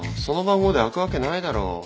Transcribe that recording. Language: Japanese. その番号で開くわけないだろ。